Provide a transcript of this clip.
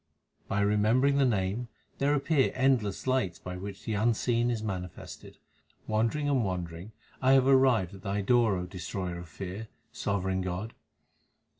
By remembering the Name there appear endless lights by which the Unseen is manifested. Wandering and wandering I have arrived at Thy door, O Destroyer of fear, sovereign God.